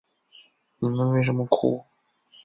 你们为什么哭？